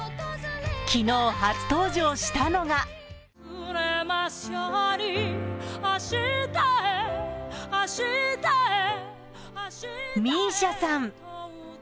昨日、初登場したのがＭＩＳＩＡさん。